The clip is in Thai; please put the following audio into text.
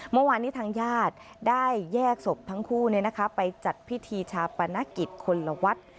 เมื่อวานนี้ทางญาติได้แยกศพทั้งคู่ไปจัดพิธีชาปนกิจคนละวัด